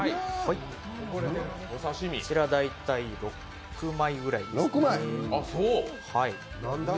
こちら、大体６枚くらいです。